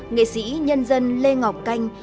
nghệ sĩ nhân dân lê ngọc canh